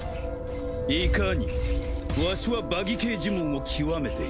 いかにもワシはバギ系呪文を極めている。